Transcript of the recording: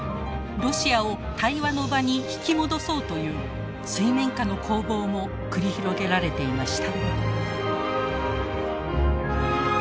ロシアを対話の場に引き戻そうという水面下の攻防も繰り広げられていました。